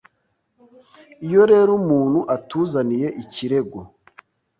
iyo rero umuntu atuzaniye ikirego